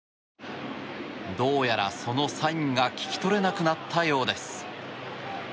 どうやら、そのサインが聞き取れなくなったようです。